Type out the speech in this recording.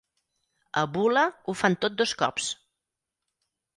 A Bula ho fan tot dos cops.